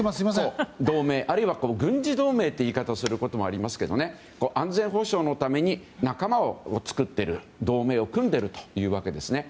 同盟あるいは軍事同盟という言い方をすることもありますけど安全保障のために仲間を作っている同盟を組んでいるということですね。